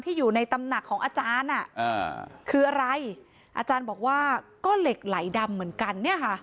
อยู่ในตำหนักของอาจารย์คืออะไรอาจารย์บอกว่าก็เหล็กไหลดำเหมือนกันเนี่ยค่ะ